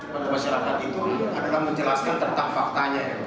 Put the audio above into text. bagi masyarakat itu adalah menjelaskan tentang faktanya